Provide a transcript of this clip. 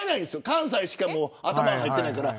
関西しか頭に入ってないから。